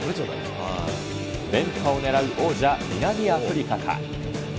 連覇を狙う王者、南アフリカか。